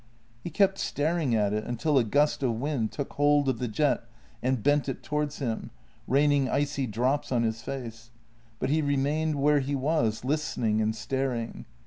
He kept star ing at it until a gust of wind took hold of the jet and bent it towards him, raining icy drops on his face, but he remained where he was, listening and staring.